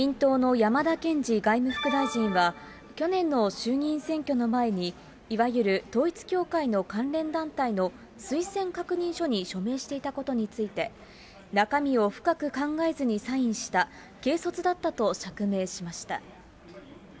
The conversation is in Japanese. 自民党のやまだけんじ外務副大臣は、去年の衆議院選挙の前に、いわゆる統一教会の関連団体の推薦確認書に署名していたことについて、中身を深く考えずにサインした、軽率だったと釈明しました。